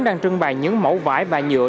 đang trưng bày những mẫu vải và nhựa